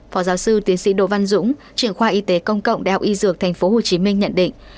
phó giáo sư tiến sĩ đồ văn dũng truyền khoa y tế công cộng đh y dược tp hcm nhận định